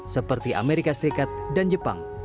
seperti amerika serikat dan jepang